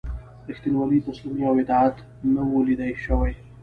ریښتینولي، تسلیمي او اطاعت نه وه لیده شوي.